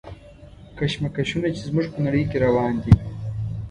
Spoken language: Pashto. کشمکشونه چې زموږ په نړۍ کې روان دي.